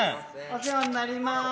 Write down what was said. お世話になります。